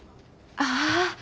ああ。